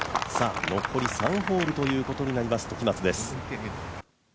残り３ホールということになります